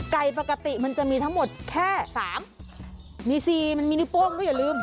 ปกติมันจะมีทั้งหมดแค่๓มี๔มันมีนิ้วโป้งก็อย่าลืม